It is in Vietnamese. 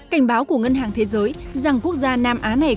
cảnh báo của ngân hàng thế giới rằng quốc gia nam á này